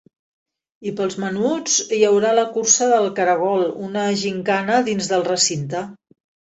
I pels menuts, hi haurà la cursa del caragol, una gimcana dins del recinte.